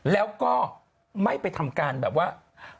แล้วก็ไม่ไปทำการแบบว่า